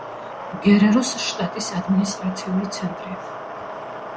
გერეროს შტატის ადმინისტრაციული ცენტრი.